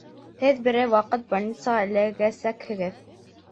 Һеҙ берәй ваҡыт больницаға эләгәсәкһегеҙ